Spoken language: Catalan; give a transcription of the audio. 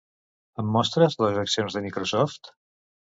Em mostres les accions de Microsoft?